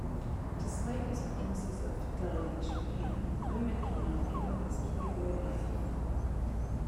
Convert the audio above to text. Despite his promises of fidelity to Anne, Raymond cannot give up his playboy life.